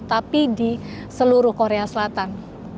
tapi di seluruh korea selatan